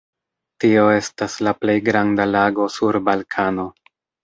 Tio estas la plej granda lago sur Balkano.